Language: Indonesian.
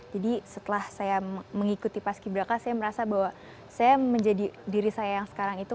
jadi setelah saya mengikuti pas kiberaka saya merasa bahwa saya menjadi diri saya yang sekarang itu